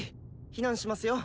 避難しますよ。